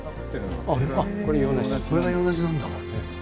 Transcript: これが洋梨なんだ。